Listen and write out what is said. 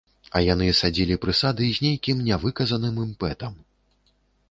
А яны садзілі прысады з нейкім нявыказаным імпэтам.